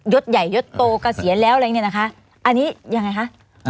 ยกใหญ่ยกโตก็เสียแล้วอะไรอย่างเงี้ยนะคะอันนี้ยังไงฮะ